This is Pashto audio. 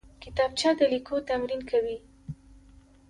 کتابچه د لیکلو تمرین کوي